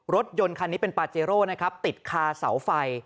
รถยนต์คันนี้เป็นปาเจโร่นะครับติดคาเสาไฟ